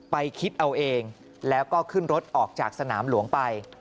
คิดเอาเองแล้วก็ขึ้นรถออกจากสนามหลวงไป